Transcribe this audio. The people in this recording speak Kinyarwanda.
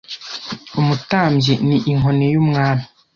Umutambyi ni inkoni y'umwami,